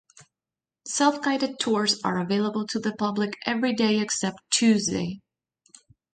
Self-guided tours are available to the public every day except Tuesday.